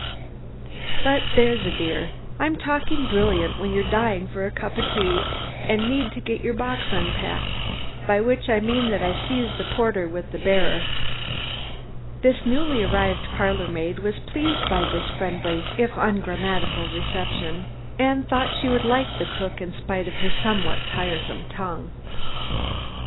But there's a dear, I'm talking brilliant, when you're dying for a cup of tea, and need to get your box unpacked, by which I mean that I sees the porter with the barrer." The newly arrived parlor maid was pleased by this friendly if ungrammatical reception, and thought she would like the cook in spite of her somewhat tiresome tongue.